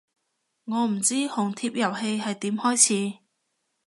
我唔知紅帖遊戲係點開始